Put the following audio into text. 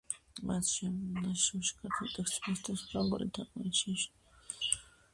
მის ნაშრომში ქართულ ტექსტს მოსდევს ფრანგული თარგმანი შენიშვნებით და უძღვის მცირე შესავალი წერილი.